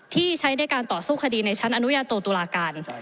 ที่ใช้ในการต่อสู้คดีในชั้นอนุญาโตตุลาการ